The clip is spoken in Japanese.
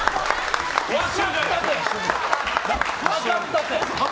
分かったって！